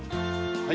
はい。